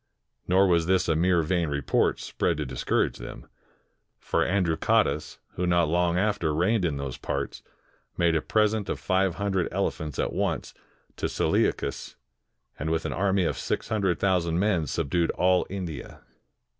Nor was this a mere vain report, spread to discourage them. For Androcottus, who not long after reigned in those parts, made a present of five hundred elephants at once to Seleucus, and with an army of six himdred thousand men subdued all India.